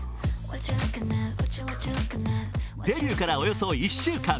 デビューからおよそ１週間。